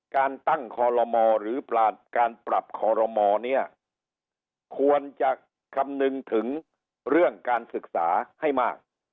การตั้งคอลโลมอหรือการปรับคอรมอเนี่ยควรจะคำนึงถึงเรื่องการศึกษาให้มาก